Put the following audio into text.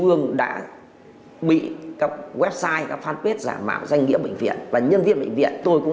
ương đã bị các website các fanpage giả mạo danh nghĩa bệnh viện và nhân viên bệnh viện tôi cũng